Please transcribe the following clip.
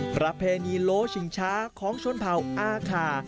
ประเพณีโลชิงช้าของชนเผ่าอาคา